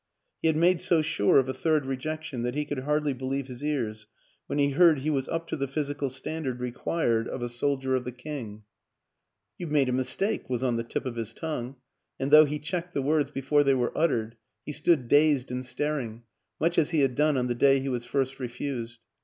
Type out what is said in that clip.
He had made so sure of a third rejection that he could hardly believe his ears when he heard he was up to the physical standard required of a 238 WILLIAM AN ENGLISHMAN soldier of the King. " You've made a mistake," was on the tip of his tongue, and though he checked the words before they were uttered, he stood dazed and staring, much as he had done on the day he was first refused.